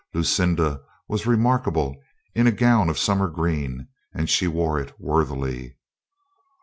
Lucinda was remarkable in a gown of sum mer green and she wore it worthily.